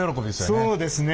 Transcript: そうですね。